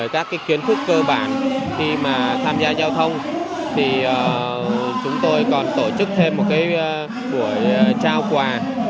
các kiến thức cơ bản khi mà tham gia giao thông thì chúng tôi còn tổ chức thêm một buổi trao quà